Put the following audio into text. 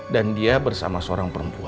dan dia bersama seorang perempuan